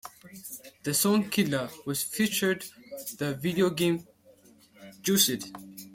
The song "Killa" was featured the video game "Juiced".